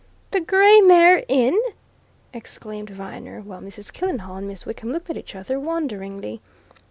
"The Grey Mare Inn!" exclaimed Viner, while Mrs. Killenhall and Miss Wickham looked at each other wonderingly.